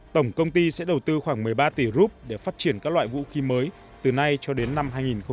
tổng công ty sẽ đầu tư khoảng một mươi ba tỷ rup để phát triển các loại vũ khí mới từ nay cho đến năm hai nghìn hai mươi